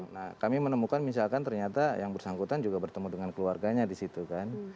nah kami menemukan misalkan ternyata yang bersangkutan juga bertemu dengan keluarganya di situ kan